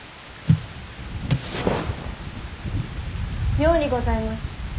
・葉にございます。